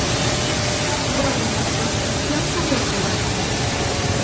Volven as restricións a Portugal.